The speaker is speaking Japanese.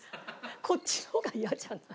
こっちの方が嫌じゃない？